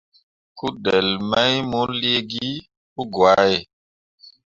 Kudelle mai mo liigi pǝgwahe.